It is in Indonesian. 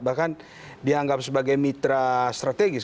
bahkan dianggap sebagai mitra strategis